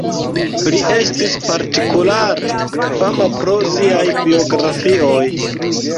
Li estis partikulare fama pro siaj biografioj.